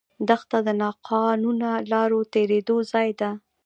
دښته د ناقانونه لارو تېرېدو ځای ده.